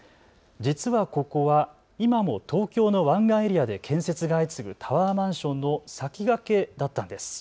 実はここは今も東京の湾岸エリアで建設が相次ぐタワーマンションの先駆けだったんです。